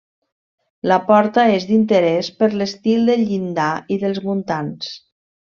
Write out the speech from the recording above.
La porta és d'interés per l'estil del llindar i dels muntants.